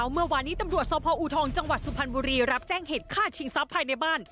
เมื่อวานี้ตำรวจสพอูทองจังหวัดสุพรรณบุรีรับแจ้งเหตุฆ่าชิงทรัพย์ภายในบ้าน